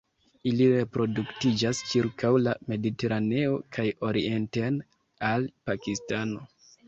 Ili reproduktiĝas ĉirkaŭ la Mediteraneo kaj orienten al Pakistano.